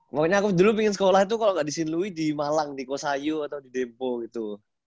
makanya aku dulu pengen sekolah itu kalau nggak di silui di malang di kosayu atau di dempo gitu